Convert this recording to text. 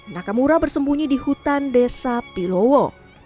nakamura bersembunyi di hutan desa pilowo